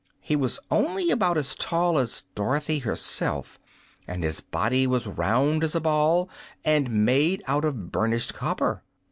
He was only about as tall as Dorothy herself, and his body was round as a ball and made out of burnished copper.